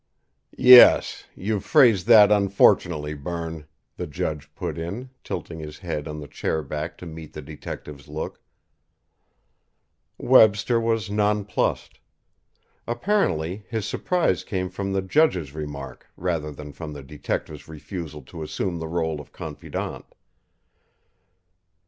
"Yes; you've phrased that unfortunately, Berne," the judge put in, tilting his head on the chair back to meet the detective's look. Webster was nonplussed. Apparently, his surprise came from the judge's remark rather than from the detective's refusal to assume the rôle of confidant.